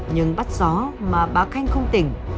nhưng bắt gió mà bà khanh không tỉnh